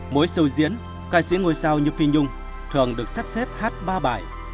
mỗi sầu diễn ca sĩ ngôi sao như phi nhung thường được sắp xếp hát ba bài